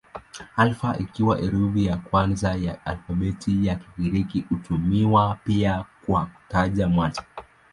Alfa ikiwa herufi ya kwanza ya alfabeti ya Kigiriki hutumiwa pia kwa kutaja mwanzo.